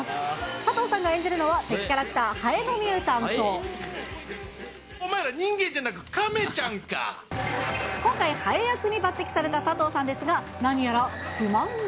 佐藤さんが演じるのは、敵キャラお前ら人間じゃなく、今回、ハエ役に抜てきされた佐藤さんですが、何やら不満が。